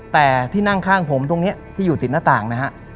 แต่ที่นั่งข้างผมตรงนี้ที่อยู่ติดหน้าต่างนะฮะ